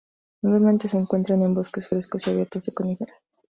Normalmente se encuentran en bosques frescos y abiertos de coníferas.